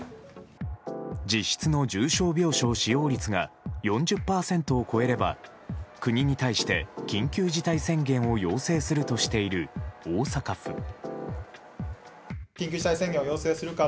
実質の重症病床使用率が４０％を超えれば国に対して緊急事態宣言を要請するとしている大阪府。